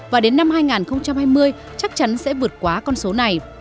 và đến năm hai nghìn hai mươi chắc chắn sẽ vượt quá con số này